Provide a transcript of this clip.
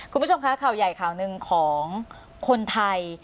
คุณผู้ชมคะข่าวใหญ่ข่าวหนึ่งของคนไทย